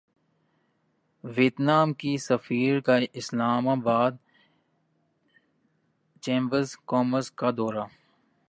Vietnam کے سفیر کا اسلام باد چیمبر کامرس کا دورہ